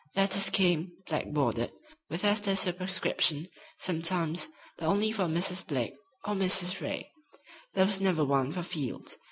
Letters came, black bordered, with Esther's superscription, sometimes, but only for Mrs. Blake or Mrs. Ray. There was never one for Field.